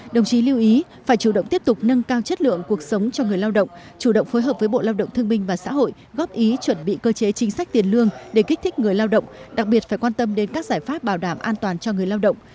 đồng chí lưu ý phải chủ động tiếp tục nâng cao chất lượng cuộc sống cho người lao động chủ động phối hợp với bộ lao động thương minh và xã hội góp ý chuẩn bị cơ chế chính sách tiền lương để kích thích người lao động đặc biệt phải quan tâm đến các giải pháp bảo đảm an toàn cho người lao động